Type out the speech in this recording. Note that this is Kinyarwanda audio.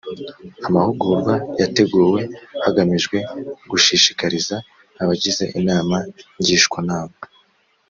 amahugurwa yateguwe hagamijwe gushishikariza abagize inama ngishwanama